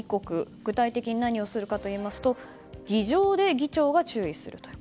具体的に何をするのかというと議場で議長が注意するという。